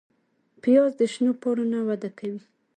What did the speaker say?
پیاز د شنو پاڼو نه وده کوي